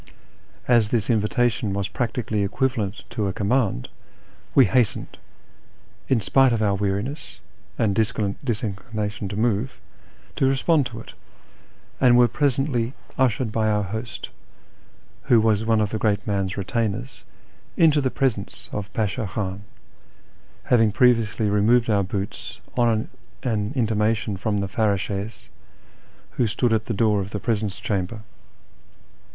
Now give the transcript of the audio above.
As this invitation was practically equivalent to a command, we hastened, in spite of our weariness and dis inclination to move, to respond to it, and were presently ushered by our host, who was one of the great man's retainers, into the presence of Pashti Khan, having previously removed our boots on an intimation from the farrdshes who stood at the door of the presence chamber.